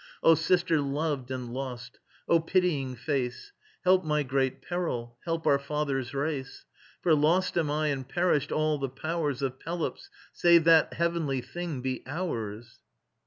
O sister loved and lost, O pitying face, Help my great peril; help our father's race. For lost am I and perished all the powers Of Pelops, save that heavenly thing be ours!